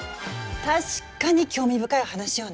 確かに興味深い話よね。